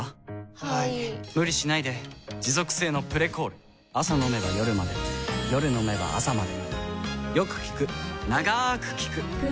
はい・・・無理しないで持続性の「プレコール」朝飲めば夜まで夜飲めば朝まで